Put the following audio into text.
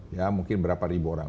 ya mungkin berapa ribu orang